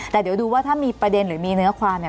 แต่เดี๋ยวดูว่าถ้ามีประเด็นหรือมีเนื้อความเนี่ย